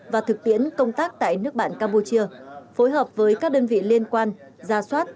và thực tiễn công tác tại nước bạn campuchia phối hợp với các đơn vị liên quan ra soát